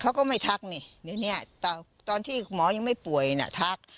เขาก็ไม่ทักนี่เดี๋ยวนี้ตอนที่หมอยังไม่ป่วยน่ะทัก